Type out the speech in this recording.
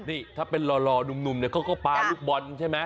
นี่ถ้าเป็นหล่อนุ่มก็ปลาลูกบอลใช่ไหม